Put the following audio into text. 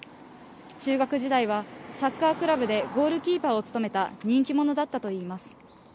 中学時代はサッカークラブでゴールキーパーを務めた人気者だったといいます。